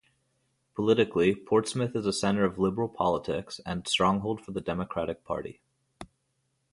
Politically, Portsmouth is a center of liberal politics and stronghold for the Democratic Party.